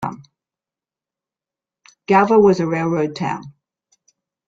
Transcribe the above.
Galva was a railroad town.